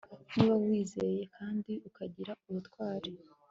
niba wiyizeye kandi ukagira ubutwari